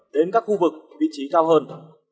đến các khu vực vị trí cao hơn